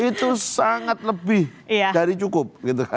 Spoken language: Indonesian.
itu sangat lebih dari cukup